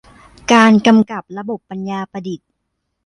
การกำกับระบบปัญญาประดิษฐ์